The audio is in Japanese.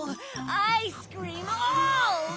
アイスクリーム三昧よ。